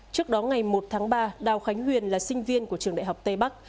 trước đó ngày một tháng ba đào khánh huyền là sinh viên của trường đại học tây bắc